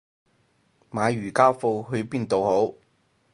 買瑜伽褲去邊度好